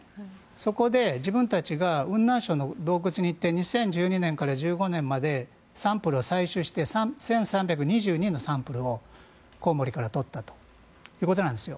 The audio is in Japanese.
そこで自分たちが雲南省の洞窟に行って２０１１年から２０１５年までサンプルを採取して１３２２のサンプルをコウモリから取ったということなんですよ。